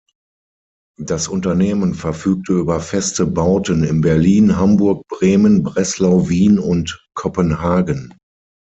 Das Unternehmen verfügte über feste Bauten in Berlin, Hamburg, Bremen, Breslau, Wien und Kopenhagen.